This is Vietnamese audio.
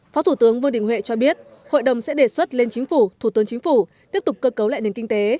phó thủ tướng vương đình huệ cho biết hội đồng sẽ đề xuất lên chính phủ thủ tướng chính phủ tiếp tục cơ cấu lại nền kinh tế